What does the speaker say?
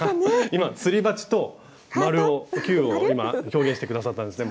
今すり鉢と球を今表現して下さったんですね